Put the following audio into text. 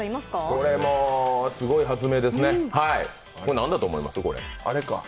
これもすごい発明ですね、何だと思います？